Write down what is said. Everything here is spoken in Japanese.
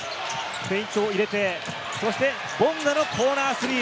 フェイントを入れて、そしてボンガのコーナースリー。